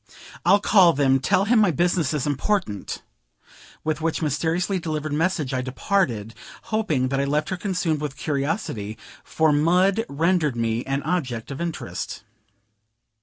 "I'll call, then. Tell him my business is important:" with which mysteriously delivered message I departed, hoping that I left her consumed with curiosity; for mud rendered me an object of interest.